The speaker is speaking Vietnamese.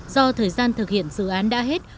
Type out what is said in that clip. do thời gian thực hiện dự án đã hết